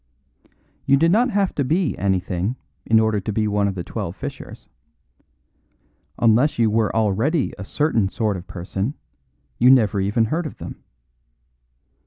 You did not have to be anything in order to be one of the Twelve Fishers; unless you were already a certain sort of person, you never even heard of them.